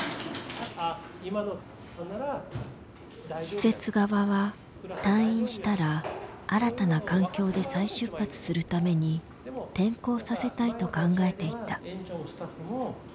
施設側は退院したら新たな環境で再出発するために転校させたいと考えていた。